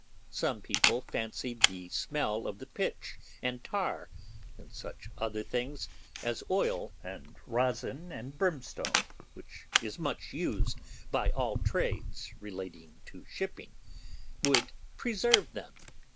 Some people fancied the smell of the pitch and tar, and such other things as oil and rosin and brimstone, which is so much used by all trades relating to shipping, would preserve them.